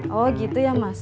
oh gitu ya mas